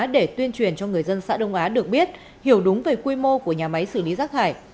để tuyên truyền cho người dân xã đông á được biết hiểu đúng về quy mô của nhà máy xử lý rác thải